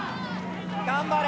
頑張れ！